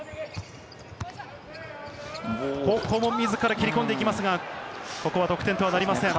ここも自ら切り込んで行きますが、得点とはなりません。